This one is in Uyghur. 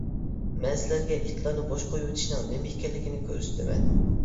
مەن سىلەرگە ئىتلارنى بوش قويۇۋېتىشنىڭ نېمە ئىكەنلىكىنى كۆرسىتىمەن!